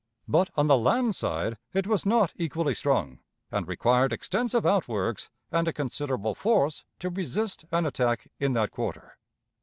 But on the land side it was not equally strong, and required extensive outworks and a considerable force to resist an attack in that quarter.